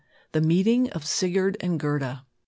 THE MEETING OF SIGURD AND GERDA.